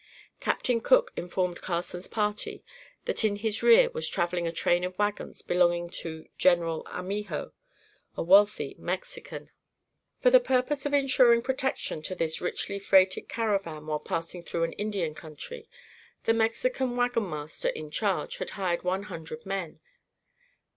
Captain Cook informed Carson's party that in his rear was traveling a train of wagons belonging to General Armijo, a wealthy Mexican. For the purpose of insuring protection to this richly freighted caravan while passing through an Indian country, the Mexican wagon master in charge, had hired one hundred men.